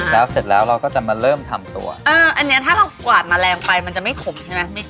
แล้วเสร็จแล้วเราก็จะมาเริ่มทำตัวเอออันนี้ถ้าเรากวาดแมลงไปมันจะไม่ขมใช่ไหม